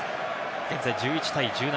現在、１１対１７。